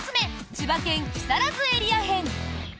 千葉県木更津エリア編！